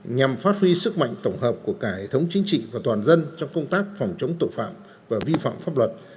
nhằm phát huy sức mạnh tổng hợp của cả hệ thống chính trị và toàn dân trong công tác phòng chống tội phạm và vi phạm pháp luật